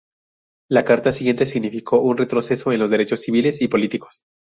La Carta siguiente significó un retroceso en los derechos civiles y políticos.